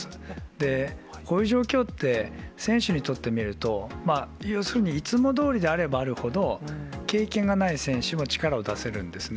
で、こういう状況って、選手にとってみると、要するに、いつもどおりであればあるほど、経験がない選手も力を出せるんですね。